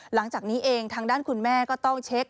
หลังจากนี้เองทางด้านคุณแม่ก็ต้องเช็ค